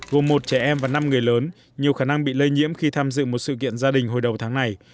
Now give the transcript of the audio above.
gồm một trẻ em và năm người lớn nhiều khả năng bị lây nhiễm khi tham dự một sự kiện gia đình hồi đầu tháng này